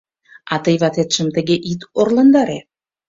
— А тый ватетшым тыге ит орландаре.